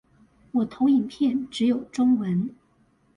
我投影片只有中文